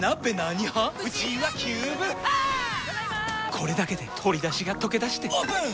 これだけで鶏だしがとけだしてオープン！